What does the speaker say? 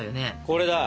これだ！